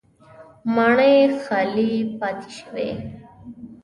ماڼۍ خالي پاتې شوې.